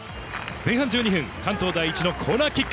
前半１２分、関東第一のコーナーキック。